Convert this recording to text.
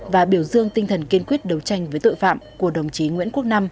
và biểu dương tinh thần kiên quyết đấu tranh với tội phạm của đồng chí nguyễn quốc năm